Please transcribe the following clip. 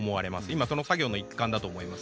今、その作業の一環だと思います。